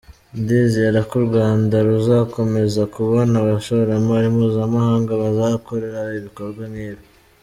Ndizera ko u Rwanda ruzakomeza kubona abashoramari mpuzamahanga bazakora ibikorwa nk’ibi”.